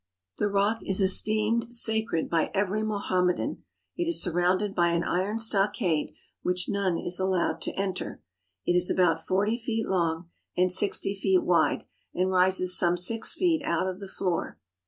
The rock is esteemed sacred by every Mohammedan. It is surrounded by an iron stockade which none is al lowed to enter. It is about forty feet long and sixty feet wide, and rises some six feet out of the floor.